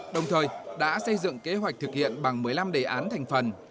đồng thời đã xây dựng kế hoạch thực hiện bằng một mươi năm đề án thành phần